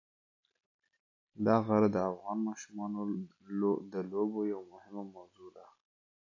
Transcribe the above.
دا غر د افغان ماشومانو د لوبو یوه مهمه موضوع ده.